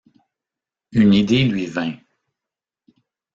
Une idée lui vint.